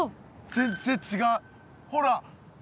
全然違うほら。